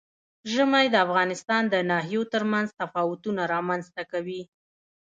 ژمی د افغانستان د ناحیو ترمنځ تفاوتونه رامنځ ته کوي.